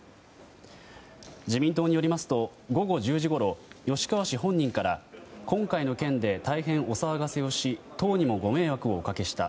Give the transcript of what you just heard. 自民党によりますと午後１０時ごろ吉川氏本人から今回の件で大変お騒がせをし党にもご迷惑をおかけした。